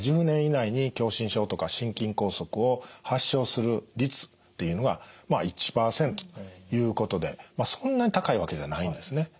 １０年以内に狭心症とか心筋梗塞を発症する率っていうのがまあ１％ということでそんなに高いわけではないんですね。